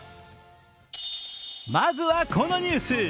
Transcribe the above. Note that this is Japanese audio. まずはこのニュース。